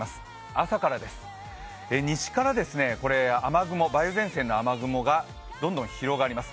朝からです、西から梅雨前線の雨雲がどんどん広がります。